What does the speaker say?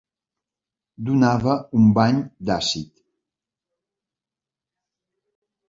Donava un bany d'àcid.